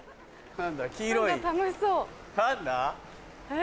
え？